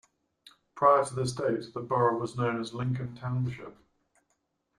Prior to this date, the borough was known as Lincoln Township.